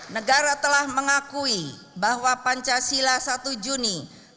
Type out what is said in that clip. negara telah mengakui bahwa pancasila satu juni seribu sembilan ratus empat puluh lima